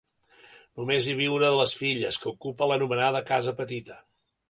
Només hi viu una de les filles, que ocupa l'anomenada casa petita.